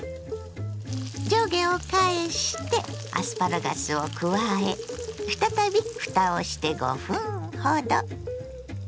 上下を返してアスパラガスを加え再びふたをして５分ほど。